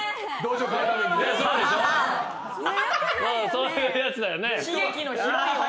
そういうやつだよね？